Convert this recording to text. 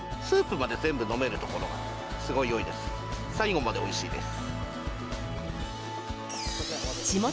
最後までおいしいです。